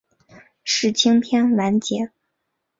世青篇完结。